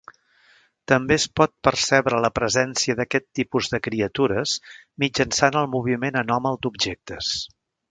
També es pot percebre la presència d’aquest tipus de criatures mitjançant el moviment anòmal d’objectes.